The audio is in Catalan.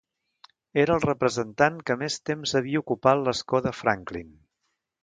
Era el representant que més temps havia ocupat l'escó de Franklin.